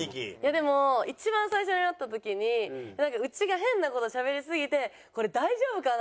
でも一番最初に会った時にうちが変な事しゃべりすぎてこれ大丈夫かな？